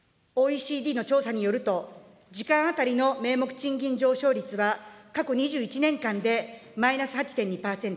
ＯＥＣＤの調査によると、時間当たりの名目賃金上昇率は過去２１年間でマイナス８．２％。